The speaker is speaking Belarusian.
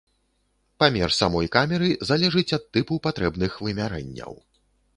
Памер самой камеры залежыць ад тыпу патрэбных вымярэнняў.